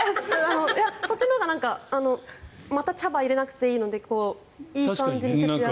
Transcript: そっちのほうが茶葉を入れなくていいのでいい感じに節約もできます。